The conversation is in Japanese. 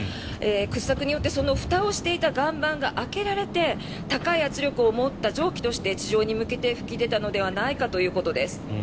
掘削によってふたをしていた岩盤が開けられて高い圧力を持った蒸気として地上に向けて噴き出たのではないかということです。